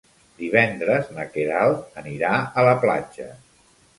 Divendres na Queralt anirà a la platja.